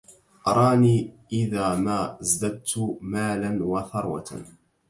أراني إذا ما ازددت مالا وثروة